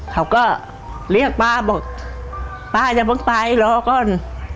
เขาก็เรียกป้าบอกป้าอย่าเพิ่งไปรอก่อน